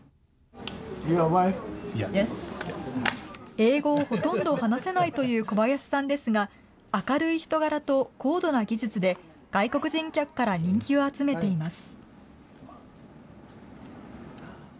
英語をほとんど話せないという小林さんですが、明るい人柄と高度な技術で、外国人客から人気を集めています。